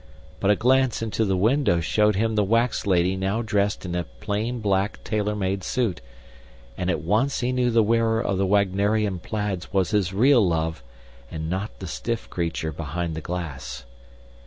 But a glance into the window showed him the wax lady now dressed in a plain black tailor made suit, and at once he knew the wearer of the Wagnerian plaids was his real love, and not the stiff creature behind the glass.